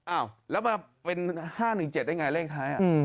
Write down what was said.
อ้าวแล้วมาเป็น๕๑๗ได้ไงเลขท้าย